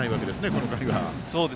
この回は。